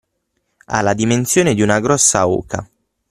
Ha la dimensione di una grossa oca.